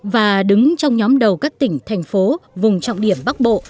và đứng trong nhóm đầu các tỉnh thành phố vùng trọng điểm bắc bộ